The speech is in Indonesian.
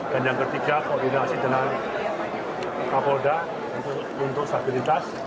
dan yang ketiga koordinasi tenaga kapal untuk stabilitas